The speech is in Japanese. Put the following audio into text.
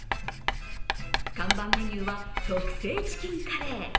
看板メニューは特製チキンカレー。